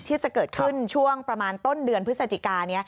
ที่จะเกิดขึ้นช่วงประมาณต้นเดือนพฤศจิกา